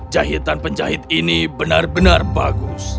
jahitan penjahit ini benar benar bagus